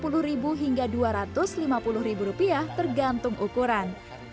rupiahnya dari rp lima puluh dua ratus lima puluh tergantung ukuran